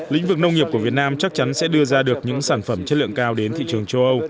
lĩnh vực nông nghiệp của việt nam chắc chắn sẽ đưa ra được những sản phẩm chất lượng cao đến thị trường châu âu